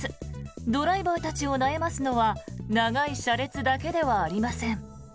ドライバーたちを悩ますのは長い車列だけではありません。